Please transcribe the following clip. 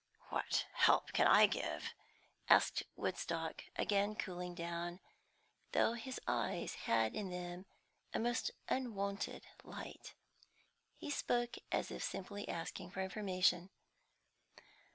"What help can I give?" asked Woodstock, again cooling down, though his eyes had in them a most unwonted light. He spoke as if simply asking for information.